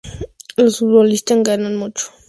Los futbolistas ganan mucho.